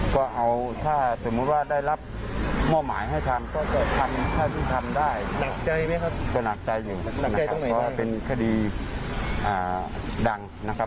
ก็ไม่รู้ว่าผู้ใหญ่ลิขิตจะหมายถึงใครนะ